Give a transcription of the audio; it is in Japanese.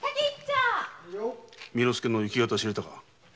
巳之助の行方は知れたか？